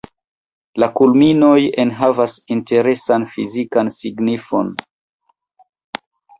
La kulminoj enhavas interesan fizikan signifon.